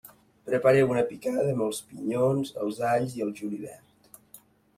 Prepareu una picada amb els pinyons, els alls i el julivert.